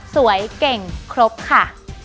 สวยเก่งครบค่ะ